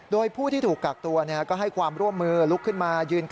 โดยผู้ที่ถูกกักตัวก็ให้ความร่วมมือลุกขึ้นมา